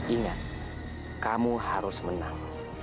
ingat kamu harus menang